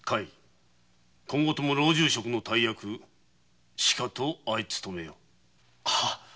今後とも老中職の大役しかとあい勤めよ。